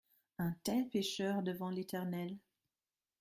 Un tel pécheur devant l’Eternel !